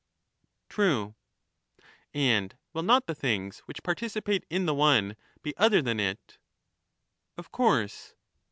True. And will not the things which participate in the one, be other than it ? Of course.